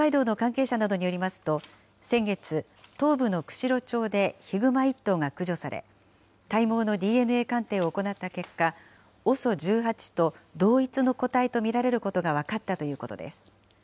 北海道の関係者などによりますと、先月、東部の釧路町でヒグマ１頭が駆除され、体毛のＤＮＡ鑑定を行った結果、ＯＳＯ１８と同一の個体と見られることが分かったということです。